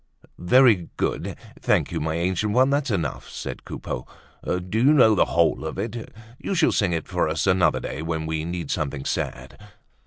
"Very good. Thank you, my ancient one, that's enough!" said Coupeau. "Do you know the whole of it? You shall sing it for us another day when we need something sad."